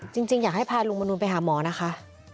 จริงอยากให้พาลุงมนุนไปหาหมอนะคะ